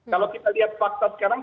kalau kita lihat fakta sekarang